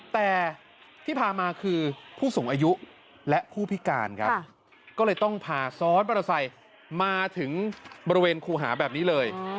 แต่ที่พามาคือผู้สูงอายุและผู้พิการครับก็เลยต้องพาซ้อนมอเตอร์ไซค์มาถึงบริเวณครูหาแบบนี้เลย